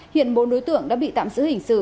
hiện bốn đối tượng đã bị tạm giữ hình sự